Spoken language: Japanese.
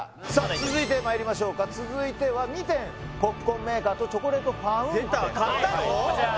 続いてまいりましょうか続いては２点ポップコーンメーカーとチョコレートファウンテン出た買ったの？